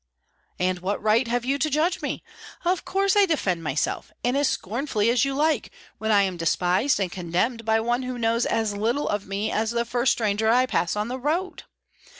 "And what right have you to judge me? Of course I defend myself, and as scornfully as you like, when I am despised and condemned by one who knows as little of me as the first stranger I pass on the road.